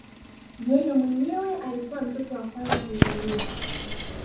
Yeye mwenyewe alikuwa mtoto wa kwanza kuzaliwa